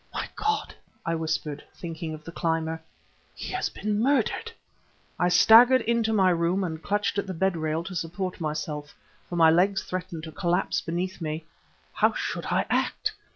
"My God!" I whispered, thinking of the climber "he has been murdered!" I staggered into my room and clutched at the bed rail to support myself, for my legs threatened to collapse beneath me. How should I act?